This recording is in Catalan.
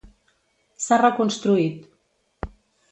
S'ha reconstruït.